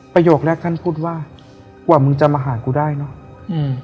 ประโยคแรกท่านพูดว่ากว่ามึงจะมาหากูได้เนอะอืม